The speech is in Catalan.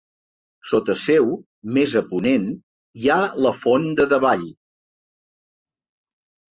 Sota seu, més a ponent, hi ha la Font de Davall.